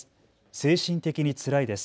精神的につらいです。